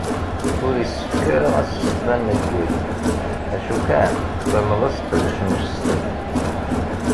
Ur issefrak ara asesteb anmeggag acu kan tferneḍ aseqdec n usesteb.